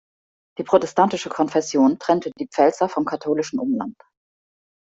Die protestantische Konfession trennte die „Pfälzer“ vom katholischen Umland.